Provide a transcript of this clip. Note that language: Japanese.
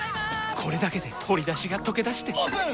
これだけで鶏だしがとけだしてオープン！